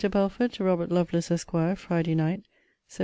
BELFORD, TO ROBERT LOVELACE, ESQ. FRIDAY NIGHT, SEPT.